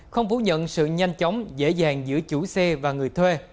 không phủ nhận sự nhanh chóng dễ dàng giữa chủ xe và người thuê